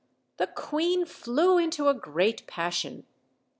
The queen flew into a great passion.